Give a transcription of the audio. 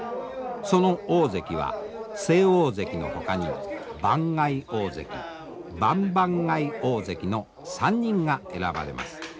その大関は正大関のほかに番外大関番々外大関の３人が選ばれます。